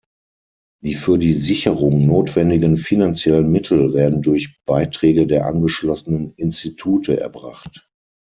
Die für die Sicherung notwendigen finanziellen Mittel werden durch Beiträge der angeschlossenen Institute erbracht.